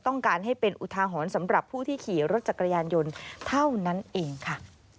ต้องการให้เป็นอุทาหรณ์สำหรับผู้ที่ขี่รถจักรยานยนต์เท่านั้นเองค่ะ